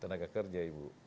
tenaga kerja ibu